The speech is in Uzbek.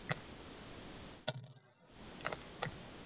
orzulariga erishish uchun hozir ham fursat borligini uqtirishga urinadi